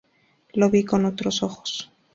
Lo vi con otros ojos.